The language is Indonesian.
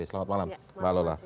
selamat malam mbak lola